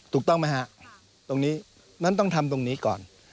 ถูกต้องไหมฮะตรงนี้นั้นต้องทำตรงนี้ก่อน